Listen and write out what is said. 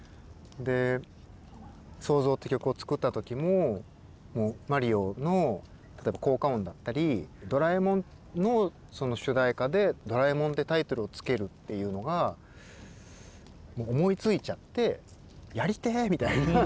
「創造」っていう曲を作った時もマリオの効果音だったり「ドラえもん」の主題歌で「ドラえもん」ってタイトルを付けるっていうのが思いついちゃって「やりてぇ」みたいな。